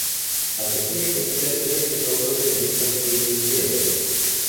А какие у тебя треки собраны в личном плейлисте?